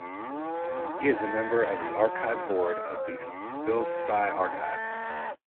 He is a member of the Archive Board of the Phil-Sci Archive.